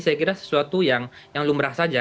saya kira sesuatu yang lumrah saja